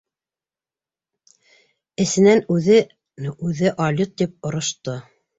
Эсенән үҙен-үҙе алйот тип орошто.